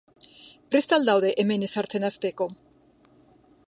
Prest al daude hemen ezartzen hasteko?